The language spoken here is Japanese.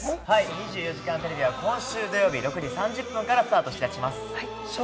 『２４時間テレビ』は今週土曜日６時３０分からスタートします。